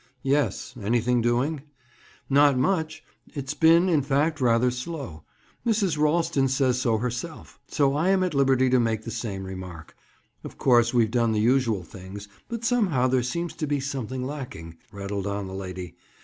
"Yes. Anything doing?" "Not much. It's been, in fact, rather slow. Mrs. Ralston says so herself. So I am at liberty to make the same remark. Of course we've done the usual things, but somehow there seems to be something lacking," rattled on the lady.